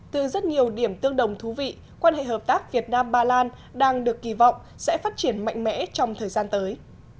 từ rất nhiều điểm tương đồng thú vị quan hệ hợp tác việt nam ba lan đang được kỳ vọng sẽ phát triển mạnh mẽ trong thời gian tới